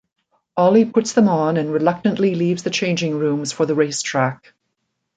Ollie puts them on and reluctantly leaves the changing rooms for the race track.